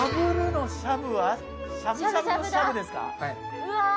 うわ！